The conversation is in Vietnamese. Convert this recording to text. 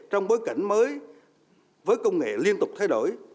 trong bối cảnh mới với công nghệ liên tục thay đổi